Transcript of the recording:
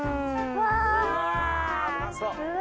うまそう！